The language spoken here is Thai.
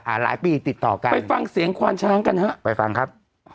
หลายปีติดต่อกันไปฟังเสียงควานช้างกันฮะไปฟังครับ